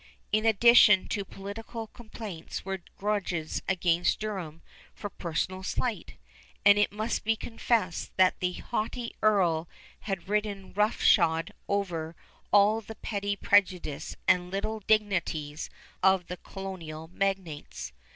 In addition to political complaints were grudges against Durham for personal slight; and it must be confessed the haughty earl had ridden roughshod over all the petty prejudices and little dignities of the colonial magnates.